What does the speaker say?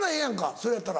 それやったら。